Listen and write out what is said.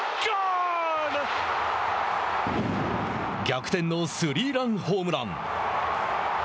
逆転のスリーランホームラン。